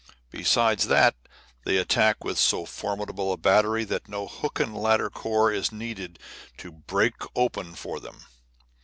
Besides that, they attack with so formidable a battery that no hook and ladder corps is needed to "break open" for them.